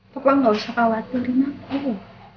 pokoknya gak usah khawatirin aku